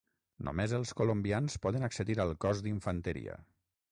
Només els colombians poden accedir al cos d'Infanteria.